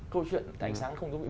câu chuyện ánh sáng không thú vị